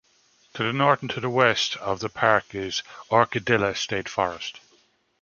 To the north and to the west of the park is Orkadilla State Forest.